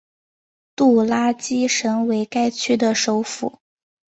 杜拉基什为该区的首府。